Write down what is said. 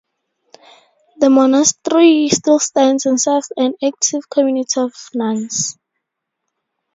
The monastery still stands and serves an active community of nuns.